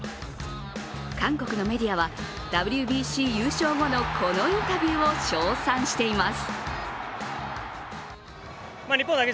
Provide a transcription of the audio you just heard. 韓国のメディアは、ＷＢＣ優勝後のこのインタビューを称賛しています。